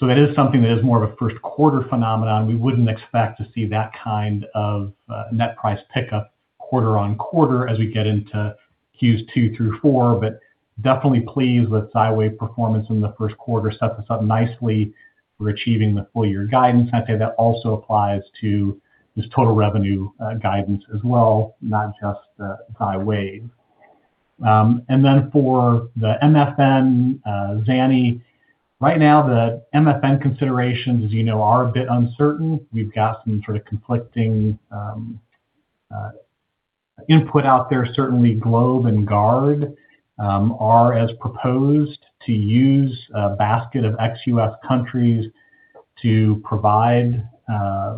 It is something that is more of a first quarter phenomenon. We wouldn't expect to see that kind of net price pickup quarter on quarter as we get into Q2 through Q4, but definitely pleased with XYWAV performance in the first quarter. Set this up nicely. We're achieving the full year guidance. I'd say that also applies to this total revenue guidance as well, not just XYWAV. Then for the MFN ZANI, right now the MFN considerations, as you know, are a bit uncertain. We've got some sort of conflicting input out there. Certainly GLOB and GARD are as proposed to use a basket of ex-U.S. countries to provide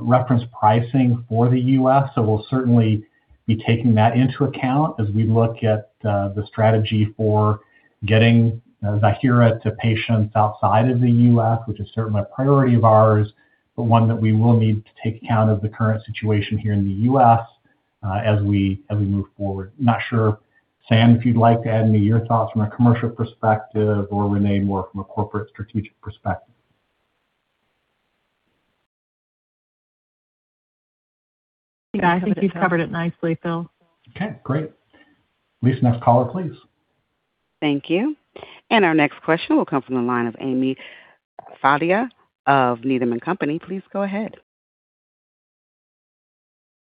reference pricing for the U.S. We'll certainly be taking that into account as we look at the strategy for getting Ziihera to patients outside of the U.S., which is certainly a priority of ours, but one that we will need to take account of the current situation here in the U.S. as we move forward. Not sure, Sam, if you'd like to add any of your thoughts from a commercial perspective or Renée more from a corporate strategic perspective. Yeah, I think you've covered it nicely, Phil. Okay, great. Next caller, please. Thank you. Our next question will come from the line of Ami Fadia of Needham and Company. Please go ahead.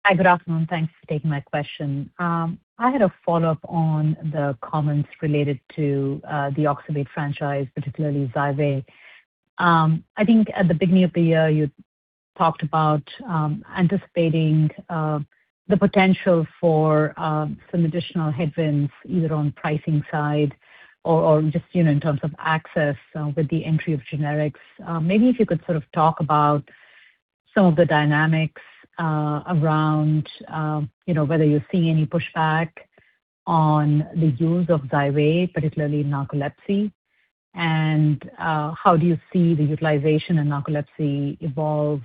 Hi. Good afternoon. Thanks for taking my question. I had a follow-up on the comments related to the oxybate franchise, particularly XYWAV. I think at the beginning of the year, you talked about anticipating the potential for some additional headwinds either on pricing side or just, you know, in terms of access with the entry of generics. Maybe if you could sort of talk about some of the dynamics around, you know, whether you're seeing any pushback on the use of XYWAV, particularly in narcolepsy. How do you see the utilization in narcolepsy evolve,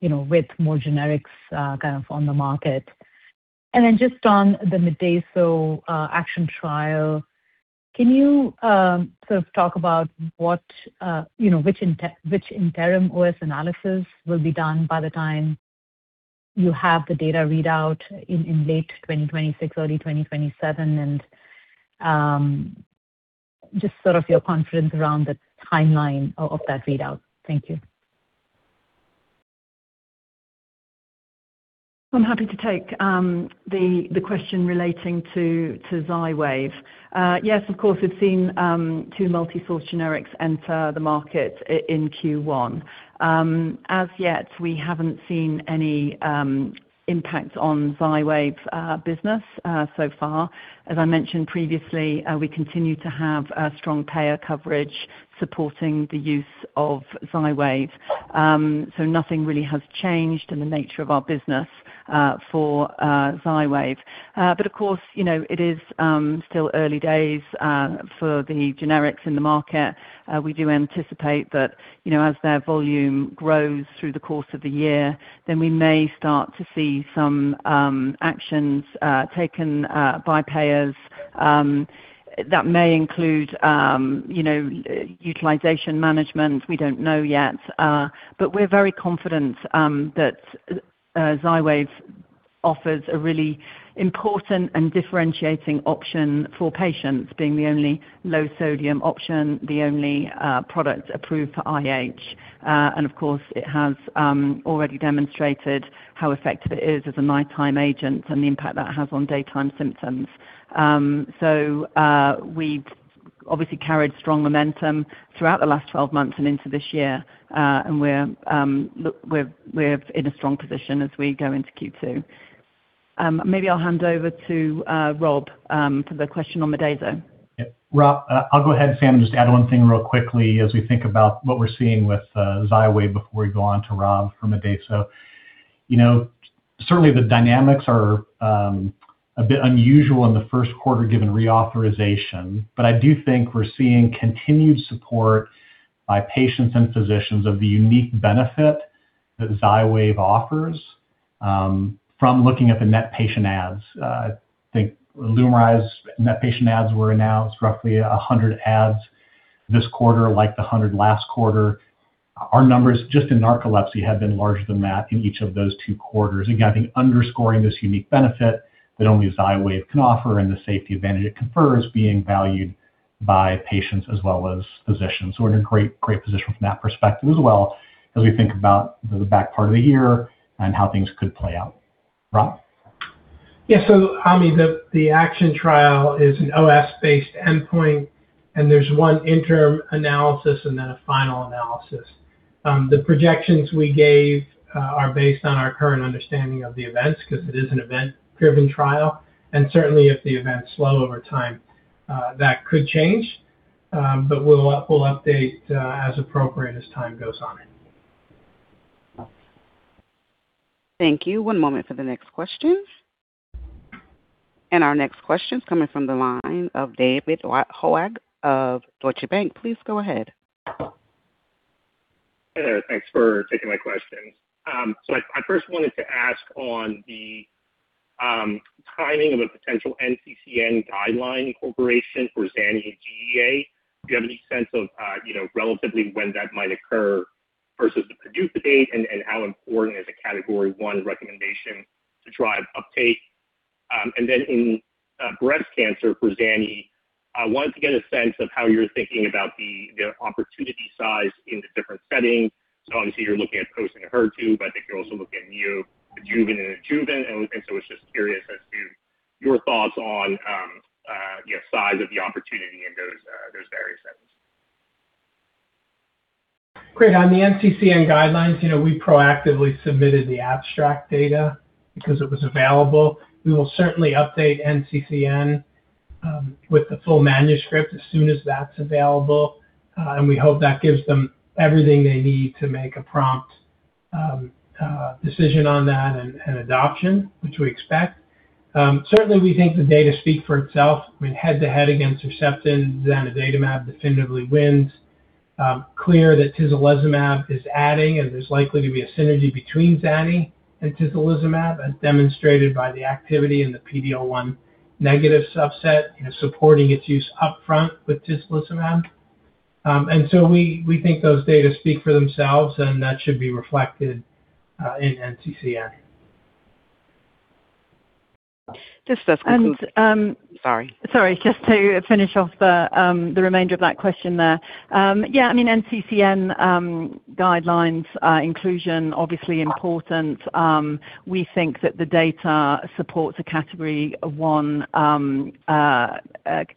you know, with more generics kind of on the market? Just on the Modeyso ACTION trial, can you sort of talk about what, you know, which interim OS analysis will be done by the time you have the data readout in late 2026, early 2027? Just sort of your confidence around the timeline of that readout. Thank you. I'm happy to take the question relating to XYWAV. Yes, of course, we've seen two multi-source generics enter the market in Q1. As yet, we haven't seen any impact on XYWAV's business so far. As I mentioned previously, we continue to have strong payer coverage supporting the use of XYWAV. Nothing really has changed in the nature of our business for XYWAV. Of course, you know, it is still early days for the generics in the market. We do anticipate that, you know, as their volume grows through the course of the year, we may start to see some actions taken by payers that may include, you know, utilization management. We don't know yet. We're very confident that XYWAV offers a really important and differentiating option for patients being the only low-sodium option, the only product approved for IH. Of course, it has already demonstrated how effective it is as a nighttime agent and the impact that has on daytime symptoms. We've obviously carried strong momentum throughout the last 12 months and into this year, and we're in a strong position as we go into Q2. Maybe I'll hand over to Rob for the question on Modeyso. Yeah. Rob, I'll go ahead, Sam, just add one thing real quickly as we think about what we're seeing with XYWAV before we go on to Rob for Modeyso. You know, certainly the dynamics are a bit unusual in the first quarter given reauthorization. I do think we're seeing continued support by patients and physicians of the unique benefit that XYWAV offers from looking at the net patient adds. I think Lumryz net patient adds were announced roughly 100 adds this quarter, like the 100 last quarter. Our numbers just in narcolepsy have been larger than that in each of those two quarters. Again, I think underscoring this unique benefit that only XYWAV can offer and the safety advantage it confers being valued by patients as well as physicians. We're in a great position from that perspective as well as we think about the back part of the year and how things could play out. Rob? Yeah. Ami, the ACTION trial is an OS-based endpoint, and there's one interim analysis and then a final analysis. The projections we gave are based on our current understanding of the events 'cause it is an event-driven trial. Certainly if the events slow over time, that could change. We'll update as appropriate as time goes on. Thank you. One moment for the next question. Our next question is coming from the line of David Hoang of Deutsche Bank. Please go ahead. Hello. Thanks for taking my questions. I first wanted to ask on the timing of a potential NCCN guideline incorporation for ZANI in GEA. Do you have any sense of, you know, relatively when that might occur versus the PDUFA date and how important is a Category 1 recommendation to drive uptake? Then in breast cancer for ZANI, I wanted to get a sense of how you're thinking about the opportunity size in the different settings. Obviously you're looking at posting HER2, but I think you're also looking at neoadjuvant and adjuvant. I was just curious as to your thoughts on, you know, size of the opportunity in those various settings. Great. On the NCCN guidelines, you know, we proactively submitted the abstract data because it was available. We will certainly update NCCN with the full manuscript as soon as that's available. We hope that gives them everything they need to make a prompt decision on that and adoption, which we expect. Certainly, we think the data speak for itself. I mean, head-to-head against Herceptin, zanidatamab definitively wins. Clear that tislelizumab is adding, and there's likely to be a synergy between ZANI and tislelizumab, as demonstrated by the activity in the PD-L1 negative subset, you know, supporting its use up front with tislelizumab. We think those data speak for themselves, and that should be reflected in NCCN. This does conclude. And, um- Sorry. Just to finish off the remainder of that question there. Yeah, NCCN guidelines inclusion obviously important. We think that the data supports a Category 1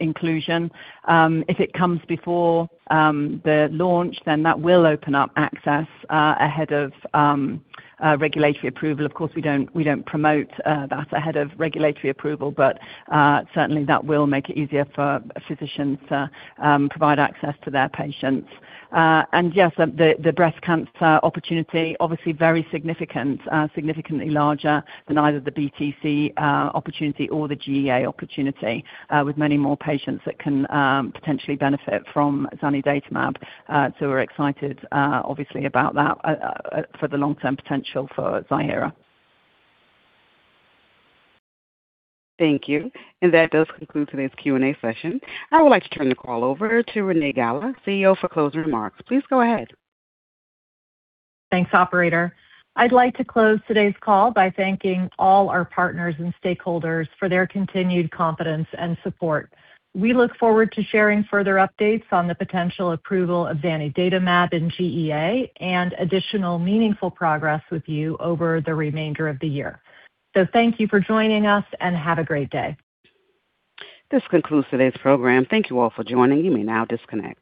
inclusion. If it comes before the launch, that will open up access ahead of regulatory approval. Of course, we don't promote that ahead of regulatory approval, certainly that will make it easier for physicians to provide access to their patients. Yes, the breast cancer opportunity obviously very significant, significantly larger than either the BTC opportunity or the GEA opportunity, with many more patients that can potentially benefit from zanidatamab. We're excited obviously about that for the long-term potential for Ziihera. Thank you. That does conclude today's Q&A session. I would like to turn the call over to Renée Gala, CEO, for closing remarks. Please go ahead. Thanks, operator. I'd like to close today's call by thanking all our partners and stakeholders for their continued confidence and support. We look forward to sharing further updates on the potential approval of zanidatamab in GEA and additional meaningful progress with you over the remainder of the year. Thank you for joining us, and have a great day. This concludes today's program. Thank you all for joining. You may now disconnect.